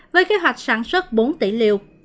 với kế hoạch sản xuất bốn tỷ liều